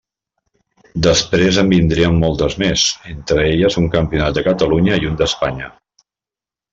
Després en vindrien moltes més, entre elles un campionat de Catalunya i un d’Espanya.